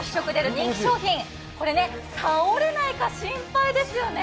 これ、倒れないか心配ですよね。